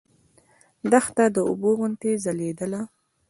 دښته د اوبو غوندې ځلېدله.